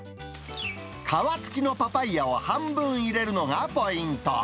皮付きのパパイアを半分入れるのがポイント。